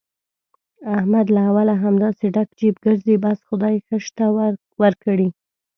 احمد له اوله همداسې ډک جېب ګرځي، بس خدای ښه شته ورکړي.